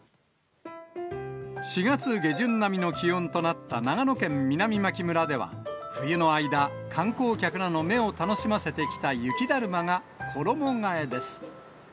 ４月下旬並みの気温となった長野県南牧村では冬の間、観光客らの目を楽しませてきた雪だるまが衣がえです。